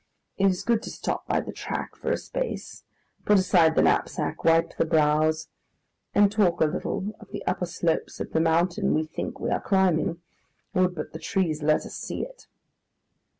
It is good to stop by the track for a space, put aside the knapsack, wipe the brows, and talk a little of the upper slopes of the mountain we think we are climbing, would but the trees let us see it.